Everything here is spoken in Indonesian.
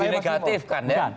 negatif kan ya